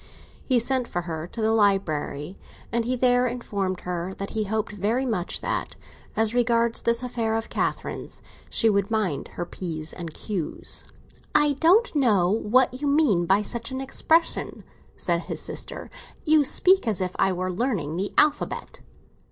He sent for her to the library, and he there informed her that he hoped very much that, as regarded this affair of Catherine's, she would mind her p's and q's. "I don't know what you mean by such an expression," said his sister. "You speak as if I were learning the alphabet."